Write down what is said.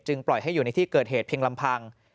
ปล่อยให้อยู่ในที่เกิดเหตุเพียงลำพัง